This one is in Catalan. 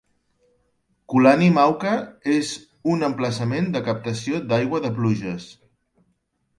Kulani Mauka és un emplaçament de captació d'aigua de pluges.